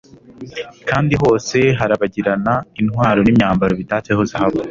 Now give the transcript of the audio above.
kandi hose harabagirana intwaro n'imyambaro bitatseho zahabu